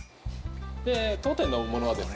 当店のものはですね